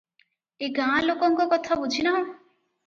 ଏ ଗାଁ ଲୋକଙ୍କ କଥା ବୁଝି ନାହୁଁ?